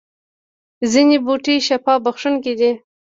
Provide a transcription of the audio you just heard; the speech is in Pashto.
ځینې بوټي شفا بخښونکي دي